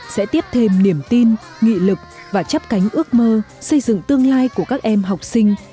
sẽ tiếp thêm niềm tin nghị lực và chấp cánh ước mơ xây dựng tương lai của các em học sinh